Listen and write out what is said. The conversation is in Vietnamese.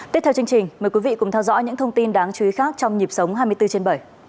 tiếp theo chương trình mời quý vị cùng theo dõi những thông tin đáng chú ý khác trong nhịp sống hai mươi bốn trên bảy